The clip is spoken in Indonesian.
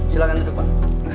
silakan duduk pak